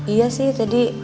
iya sih tadi